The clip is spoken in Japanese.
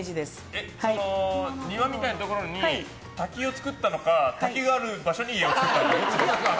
庭みたいなところに滝を作ったのか滝がある場所に家を作ったのかどっちですか。